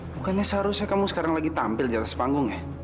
bukannya seharusnya kamu sekarang lagi tampil di atas panggung ya